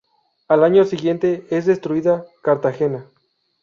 Al año siguiente es destruida Cartagena.